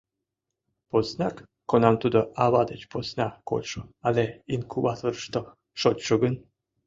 Поснак кунам тудо ава деч посна кодшо але инкубаторышто шочшо гын.